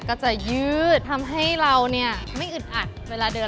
ก็จะยืดทำให้เราเนี่ยไม่อึดอัดเวลาเดิน